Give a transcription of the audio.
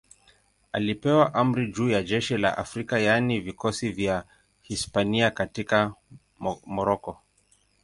Alipewa amri juu ya jeshi la Afrika, yaani vikosi vya Hispania katika Moroko.